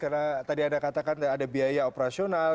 karena tadi anda katakan ada biaya operasional